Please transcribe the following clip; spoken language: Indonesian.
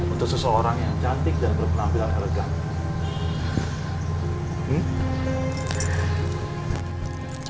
untuk seseorang yang jalan jalan dengan baik dan juga yang bisa berpengalaman dengan diri sendiri